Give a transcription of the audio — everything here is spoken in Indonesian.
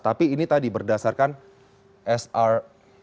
tapi ini tadi berdasarkan sr